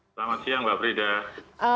selamat siang mbak prida